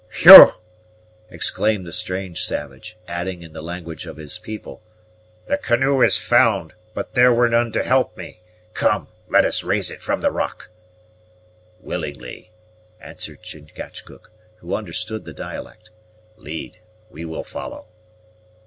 "Hugh!" exclaimed the strange savage, adding, in the language of his people, "The canoe is found, but there were none to help me. Come, let us raise it from the rock." "Willingly," answered Chingachgook, who understood the dialect. "Lead; we will follow."